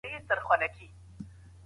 هلمند د زړه له کومي د هر ميلمه پالنه کوي.